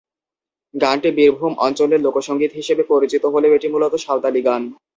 গানটি বীরভূম অঞ্চলের লোকসংগীত হিসেবে পরিচিত হলেও এটি মূলত সাঁওতালী গান।